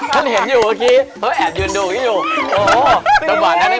มันเห็นอยู่ดีกว่าเคียกโอ้โหลักบาทได้มา